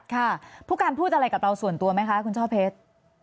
ค่ะผู้การพูดอะไรกับเราส่วนตัวไหมคะคุณช่อเพชร